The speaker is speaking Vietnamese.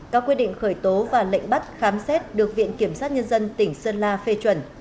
các quyết định khởi tố và lệnh bắt khám xét được viện kiểm sát nhân dân tỉnh sơn la phê chuẩn